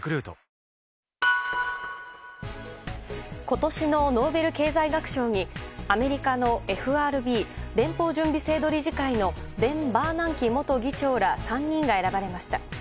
今年のノーベル経済学賞にアメリカのＦＲＢ・連邦準備制度理事会のベン・バーナンキ元議長ら３人が選ばれました。